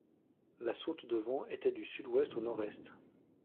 La saute de vent était du sud-ouest au nord-est.